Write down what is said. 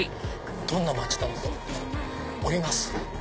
どんな街だろう？降ります。